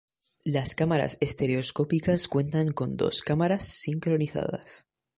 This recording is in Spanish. Las cámaras estereoscópicas cuentan con dos cámaras sincronizadas.